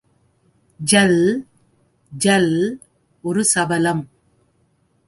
ஜல்..... ஜல்...... ஒரு சபலம்.